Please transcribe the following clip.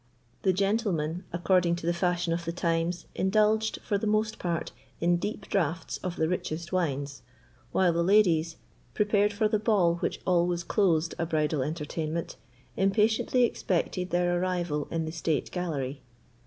The gentlemen, according to the fashion of the times, indulged, for the most part, in deep draughts of the richest wines, while the ladies, prepared for the ball which always closed a bridal entertainment, impatiently expected their arrival in the state gallery.